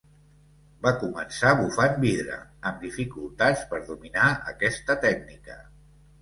Va començar bufant vidre, amb dificultats per dominar aquesta tècnica.